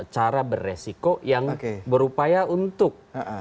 cara beresiko yang berupaya untuk